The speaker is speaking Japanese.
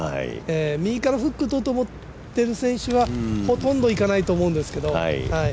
右からフック打とうと思っている選手はほとんどいかないと思うんですけど。